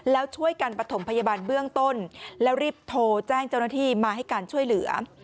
แล้วช่วยกันประถมพยาบาลเบื้องต้นแล้วรีบโทรแจ้งเจ้าหน้าที่มาให้การช่วยเหลือ